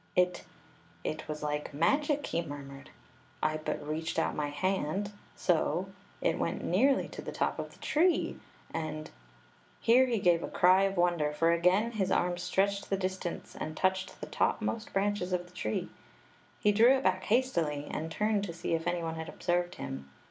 "It — it was like magic!" he murmured. "I but reached out my hand — so — it went nearly to th© top of the tree, and —" Here he gave a cry of wonder, for again his arm stretched the distance and touched the topmost branches of the tree. He drew it back hastily, and turned to see if any one had observed him.